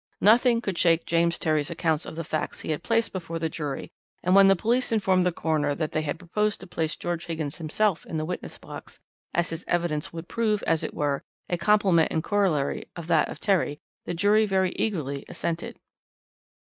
"Nothing could shake James Terry's account of the facts he had placed before the jury, and when the police informed the coroner that they proposed to place George Higgins himself in the witness box, as his evidence would prove, as it were, a complement and corollary of that of Terry, the jury very eagerly assented.